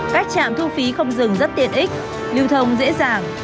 các trạm thu phí không dừng rất tiện ích lưu thông dễ dàng